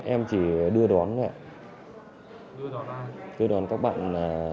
em chỉ đưa đón đưa đón các bạn